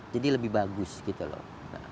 jadi lebih bagus gitu loh